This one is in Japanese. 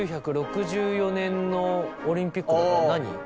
１９６４年のオリンピックって何。